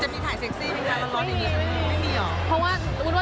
จะมีถ่ายเซ็กซิบ้างไหมคะแล้วรอนี่นี่สิไม่มีหรอ